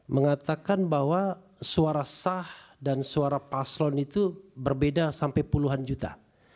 mengatakan bahwa suara sah dan suara paslon itu berbeda sampai puluhan juta